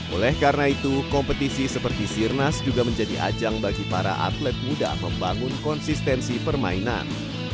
oleh karena itu kompetisi seperti sirnas juga menjadi ajang bagi para atlet muda membangun konsistensi permainan